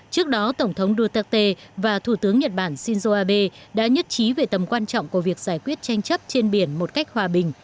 trước đó tổng thống duterte và thủ tướng nhật bản shinzo abe đã nhất trí về tầm quan trọng của việc giải quyết tranh chấp trên biển một cách hòa bình